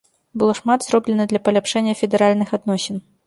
Было шмат зроблена для паляпшэння федэральных адносін.